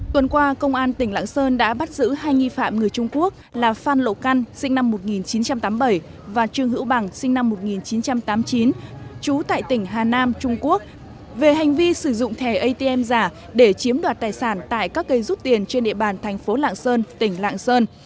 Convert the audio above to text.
tuần qua công an tỉnh lạng sơn đã bắt giữ hai nghi phạm người trung quốc là phan lộ căn sinh năm một nghìn chín trăm tám mươi bảy và trương hữu bằng sinh năm một nghìn chín trăm tám mươi chín trú tại tỉnh hà nam trung quốc về hành vi sử dụng thẻ atm giả để chiếm đoạt tài sản tại các cây rút tiền trên địa bàn thành phố lạng sơn tỉnh lạng sơn